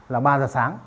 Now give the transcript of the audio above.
là ba giờ sáng